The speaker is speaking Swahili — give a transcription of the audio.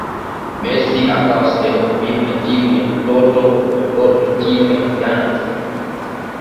Messi akawa sehemu muhimu ya Timu ya mtoto wa ndoto timu ya vijana Barcelona